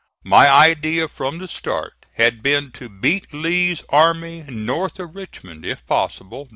My idea, from the start, had been to beat Lee's army north of Richmond, if possible.